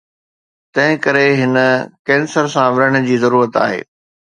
تنهنڪري هن ڪينسر سان وڙهڻ جي ضرورت آهي